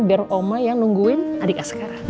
biar oma yang nungguin adik as sekarang